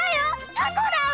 タコだわ。